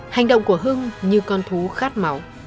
hành động của hưng như con thú khát máu